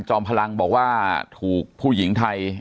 พลังบอกว่าถูกผู้หญิงไทย